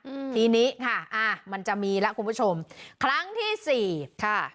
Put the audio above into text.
อืมทีนี้ค่ะอ่ามันจะมีแล้วคุณผู้ชมครั้งที่สี่ค่ะ